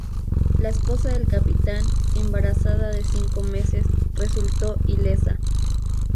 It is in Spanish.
La esposa del capitán, embarazada de cinco meses, resultó ilesa.